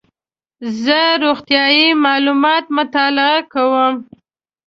زه روغتیایي معلومات مطالعه کوم.